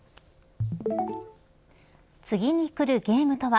次にくるゲームとは。